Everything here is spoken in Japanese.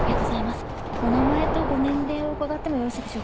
お名前とご年齢を伺ってもよろしいでしょうか。